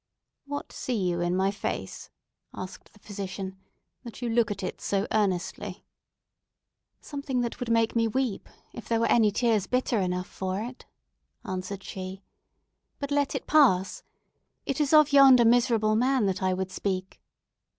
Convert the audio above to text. "What see you in my face," asked the physician, "that you look at it so earnestly?" "Something that would make me weep, if there were any tears bitter enough for it," answered she. "But let it pass! It is of yonder miserable man that I would speak."